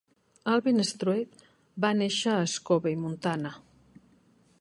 Alvin Straight a néixer a Scobey, Montana.